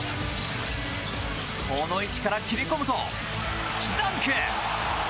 この位置から切り込むとダンク！